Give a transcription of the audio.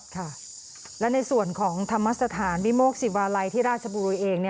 ค่ะและในส่วนของธรรมสถานวิโมกศิวาลัยที่ราชบุรีเอง